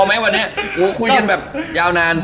เอาไหมวันนี้คุยกันแบบยาวนาน